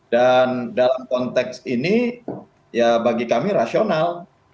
dan dalam konteks ini ya bagi kami rasional